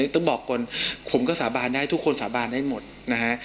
ต้องบอกก่อนผมก็สาบานได้ทุกคนสาบานได้หมดนะฮะ